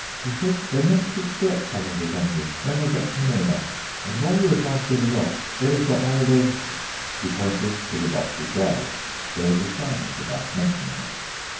He says they meant to squirt some of it on you when they got near enough, and while you were trying to get it off they'd have got hold of " He pointed to the box of jars; there was a shyness about mentioning it.